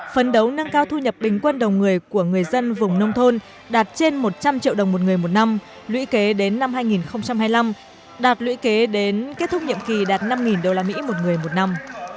phấn đấu nâng cao thu nhập bình quân đầu người của người dân vùng nông thôn đạt trên một trăm linh triệu đồng một người một năm lũy kế đến năm hai nghìn hai mươi năm đạt lũy kế đến kết thúc nhiệm kỳ đạt năm usd một người một năm